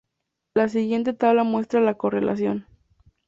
La siguiente tabla muestra la correlación.